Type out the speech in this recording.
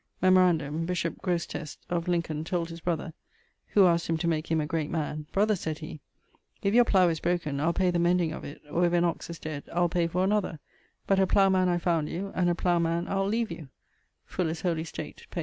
Memorandum: bishop Grostest, of Lincoln, told his brother, who asked him to make him a grate man; 'Brother,' said he, 'if your plough is broken, I'le pay the mending of it; or if an oxe is dead, I'le pay for another: but a plough man I found you, and a plough man I'le leave you' Fuller's Holy State, p....